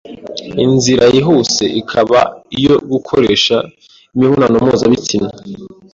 inzira yihuse ikaba iyo gukoresha imibonano mpuzabitsina.”